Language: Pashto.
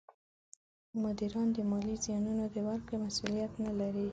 مدیران د مالي زیانونو د ورکړې مسولیت نه لري.